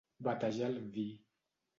Batejar el vi.